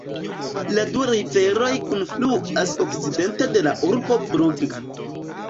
La du riveroj kunfluas okcidente de la urbo Brugg.